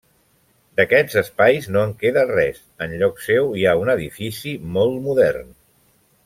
D'aquests espais no en queda res; enlloc seu hi ha un edifici molt modern.